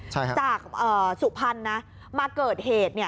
จากสุพรรณนะมาเกิดเหตุ